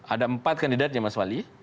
ada empat kandidatnya mas wali